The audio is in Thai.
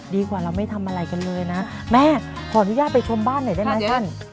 ดีกว่าเราไม่ทำอะไรกันเลยนะแม่ขออนุญาตไปชมบ้านหน่อยได้ไหมท่าน